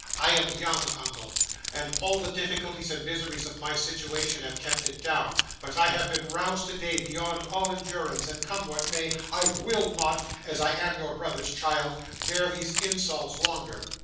I am young, uncle, and all the difficulties and miseries of my situation have kept it down, but I have been roused today beyond all endurance, and come what may, I WILL NOT, as I am your brother's child, bear these insults longer.